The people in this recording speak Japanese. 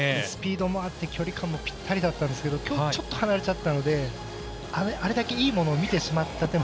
スピードもあって距離感もぴったりだったんですが今日、ちょっと離れちゃったのであれだけいいものを見てしまった